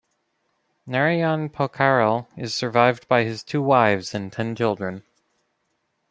Narayan Pokharel is survived by his two wives and ten children.